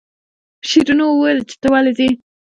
شیرینو ورته وویل چې ته ولې ځې.